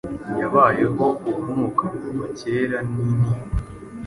Yabayeho urunukakuva kera nintimba